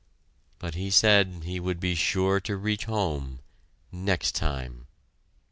But he said he would be sure to reach home next time!